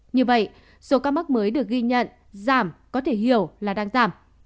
như vậy số ca mắc mới được ghi nhận giảm có thể hiểu là đang giảm